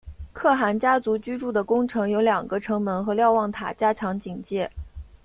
可汗家族居住的宫城有两个城门和瞭望塔加强警戒。